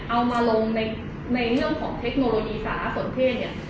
เอามาลงในเรื่องของเทคโนโลยีสารสนเทศเนี่ย